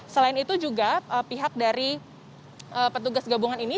selain itu juga pihak dari petugas gabungan ini